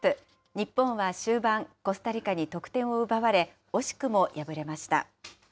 日本は終盤、コスタリカに得点を奪われ、惜しくも敗れました。